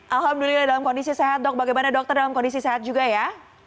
alhamdulillah dalam kondisi sehat dok bagaimana dokter dalam kondisi sehat juga ya